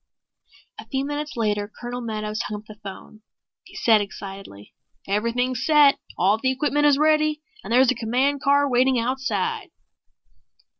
A few minutes later Colonel Meadows hung up the phone. He said excitedly, "Everything's set. All the equipment is ready and there's a command car waiting outside."